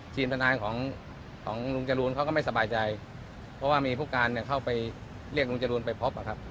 ทนายของลุงจรูนเขาก็ไม่สบายใจเพราะว่ามีผู้การเนี่ยเข้าไปเรียกลุงจรูนไปพบอะครับ